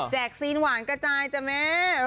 ซีนหวานกระจายจ้ะแม่